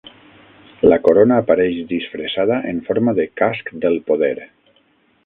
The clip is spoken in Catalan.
La Corona apareix disfressada en forma de "Casc del poder".